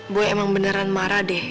gue emang beneran marah deh